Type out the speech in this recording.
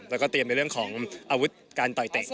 แล้วก็เตรียมในเรื่องของอาวุธการต่อยเตะ